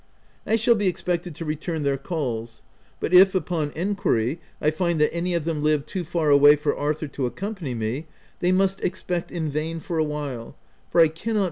I shall be expected to return their calls, but if, upon enquiry, I find that any of them live too far away for Arthur to accompany me, they must expect in vain for a while, for I cannot OP WILDFELL HALL.